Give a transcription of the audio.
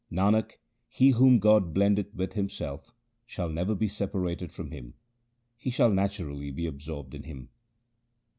Nanak, he whom God blendeth with Himself, shall never be separated from Him ; he shall naturally be absorbed in Him.